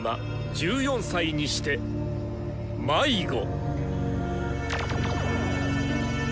１４歳にして迷子！